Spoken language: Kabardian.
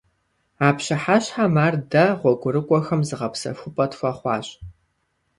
А пщыхьэщхьэм ар дэ, гъуэгурыкIуэхэм, зыгъэпсэхупIэ тхуэхъуащ.